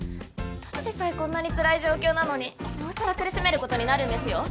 ただでさえこんなにつらい状況なのになおさら苦しめる事になるんですよ？